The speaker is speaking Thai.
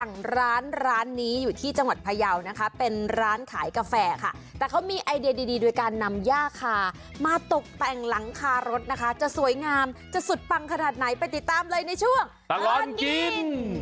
อย่างร้านร้านนี้อยู่ที่จังหวัดพยาวนะคะเป็นร้านขายกาแฟค่ะแต่เขามีไอเดียดีดีโดยการนำย่าคามาตกแต่งหลังคารถนะคะจะสวยงามจะสุดปังขนาดไหนไปติดตามเลยในช่วงตลอดกิน